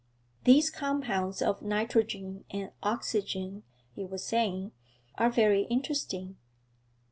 'These compounds of nitrogen and oxygen,' he was saying, 'are very interesting.